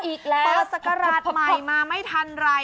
เปิดสักกระราชใหม่มาไม่ทันไร